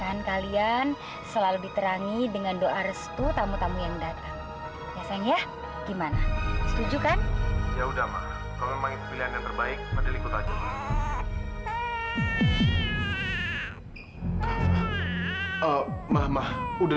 enggak lu gak boleh pergi dari sini sebelum lu kembalikan rambut anak gua